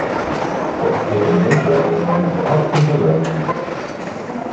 They had taken an interest in him and helped him to learn English.